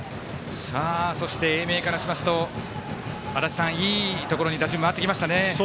そして、英明からしますといいところに打順回ってきましたね。